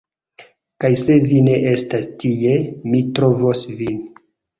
Kaj se vi ne estas tie, mi trovos vin